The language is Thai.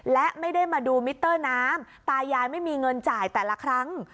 และไม่ได้มาดูมิเตอร์น้ำตายายไม่มีเงินจ่ายแต่ละครั้ง